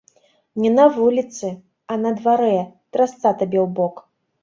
Не на вуліцы, а на дварэ, трасца табе ў бок!